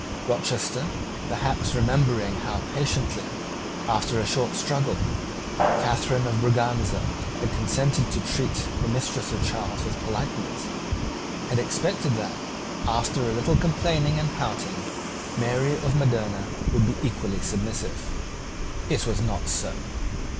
Rochester, perhaps remembering how patiently, after a short struggle, Catharine of Braganza had consented to treat the mistresses of Charles with politeness, had expected that, after a little complaining and pouting, Mary of Modena would be equally submissive. It was not so.